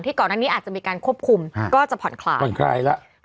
ที่ก่อนหน้านี้อาจจะมีการควบคุมก็จะผ่อนคลาย